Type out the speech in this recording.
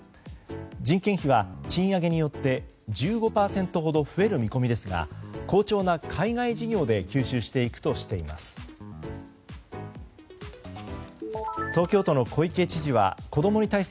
人件費は賃上げによって１５％ほど増える見込みですが好調な海外事業で吸収していくとしています。